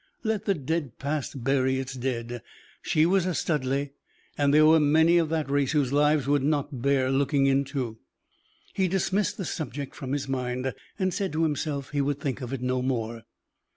Let the dead past bury its dead. She was a Studleigh, and there were many of that race whose lives would not bear looking into. He dismissed the subject from his mind, and said to himself he would think of it no more.